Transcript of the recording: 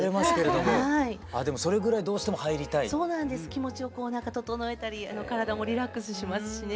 気持ちをこうなんかととのえたり体もリラックスしますしね。